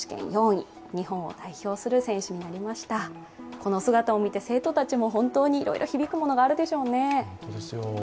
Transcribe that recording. この姿を見て、生徒たちも本当にいろいろ響くものがあるでしょうね。